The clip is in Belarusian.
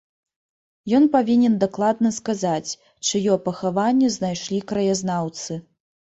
Ён павінен дакладна сказаць, чыё пахаванне знайшлі краязнаўцы.